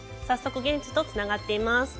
早速、現地とつながっています。